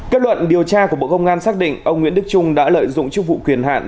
kết luận điều tra của bộ công an xác định ông nguyễn đức trung đã lợi dụng chức vụ quyền hạn